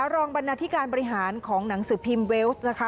รองบรรณาธิการบริหารของหนังสือพิมพ์เวลส์นะคะ